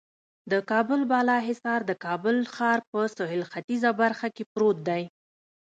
د کابل بالا حصار د کابل ښار په سهیل ختیځه برخه کې پروت دی.